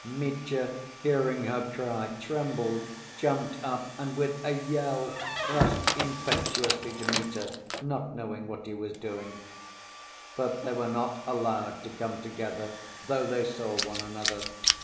Mitya, hearing her cry, trembled, jumped up, and with a yell rushed impetuously to meet her, not knowing what he was doing. But they were not allowed to come together, though they saw one another.